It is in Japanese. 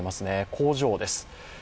工場です。